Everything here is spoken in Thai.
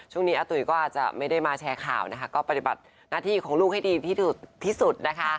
อาตุ๋ยก็อาจจะไม่ได้มาแชร์ข่าวนะคะก็ปฏิบัติหน้าที่ของลูกให้ดีที่สุดนะคะ